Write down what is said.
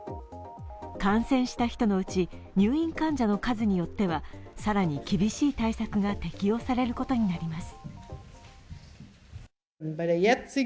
感染した人のうち、入院患者の数によっては更に厳しい対策が適用されることになります。